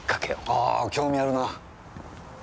ああ興味あるな。